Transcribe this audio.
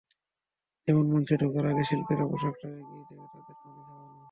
যেমন মঞ্চে ঢোকার আগে শিল্পীর পোশাকটা এগিয়ে দেওয়া, তাঁদের পানি খাওয়ানো।